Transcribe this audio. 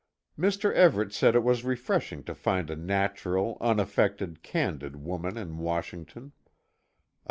Mr. Everet said it was refreshing to find a natural, unaffected, candid woman in Washington.